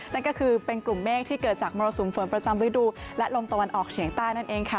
นั่นก็คือเป็นกลุ่มเมฆที่เกิดจากมรสุมฝนประจำฤดูและลมตะวันออกเฉียงใต้นั่นเองค่ะ